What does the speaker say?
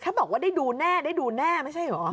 ถ้าบอกว่าได้ดูแน่ได้ดูแน่ไม่ใช่เหรอ